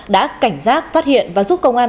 đã cảnh giác phát hiện và giúp công an